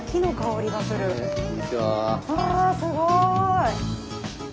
わあすごい。